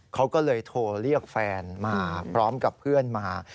เขาก็เลยโทรเรียกแฟนมาพร้อมกับเพื่อนมา